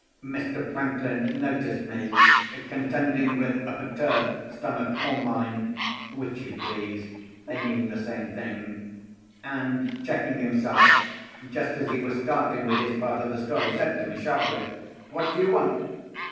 Mr. Franklin noticed me, contending with a perturbed stomach or mind—which you please; they mean the same thing—and, checking himself just as he was starting with his part of the story, said to me sharply, "What do you want?"